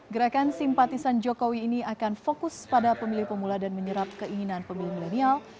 gerakan simpatisan jokowi ini akan fokus pada pemilih pemula dan menyerap keinginan pemilih milenial